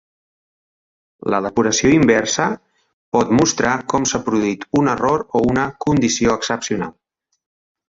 La depuració inversa pot mostrar com s"ha produït un error o una condició excepcional.